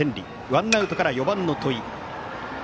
ワンアウトから４番の戸井。